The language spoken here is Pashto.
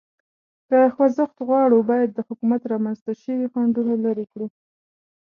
که خوځښت غواړو، باید د حکومت رامنځ ته شوي خنډونه لرې کړو.